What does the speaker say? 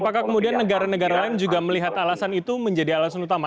apakah kemudian negara negara lain juga melihat alasan itu menjadi alasan utama